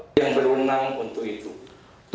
yang berunang untuk itu